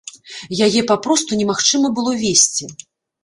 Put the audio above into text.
Яе папросту немагчыма было весці!